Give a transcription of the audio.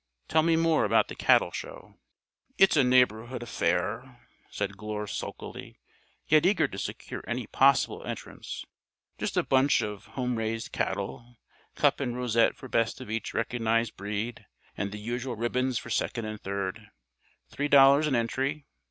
Tell me more about the cattle show." "It's a neighborhood affair," said Glure sulkily, yet eager to secure any possible entrants. "Just a bunch of home raised cattle. Cup and rosette for best of each recognized breed, and the usual ribbons for second and third. Three dollars an entry.